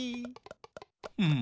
うん。